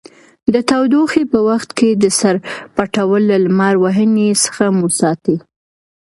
د تودوخې په وخت کې د سر پټول له لمر وهنې څخه مو ساتي.